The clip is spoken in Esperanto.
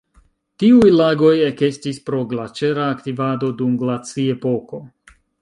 Tiuj lagoj ekestis pro glaĉera aktivado dum glaci-epoko.